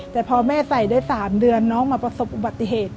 แต่พอแม่ใส่ได้๓เดือนน้องมาประสบอุบัติเหตุ